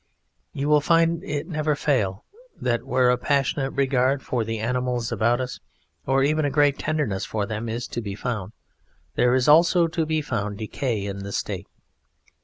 You will find it never fail that where a passionate regard for the animals about us, or even a great tenderness for them, is to be found there is also to be found decay in the State."